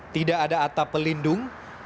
tidak ada atap pelindung